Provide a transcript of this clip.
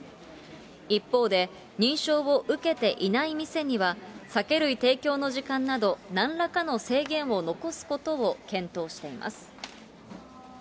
一方で、認証を受けていない店には、酒類提供の時間など、なんらかの制限を残すことを検討しています。